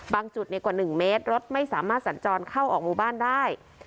จุดกว่า๑เมตรรถไม่สามารถสัญจรเข้าออกหมู่บ้านได้